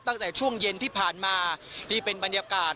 ตั้งแต่ช่วงเย็นที่ผ่านมานี่เป็นบรรยากาศ